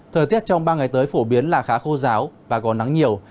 thời tiết trong ba ngày tới phổ biến là khá khô ráo và còn nắng nhiều